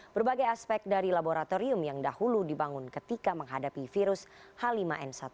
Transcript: berbagai aspek dari laboratorium yang dahulu dibangun ketika menghadapi virus h lima n satu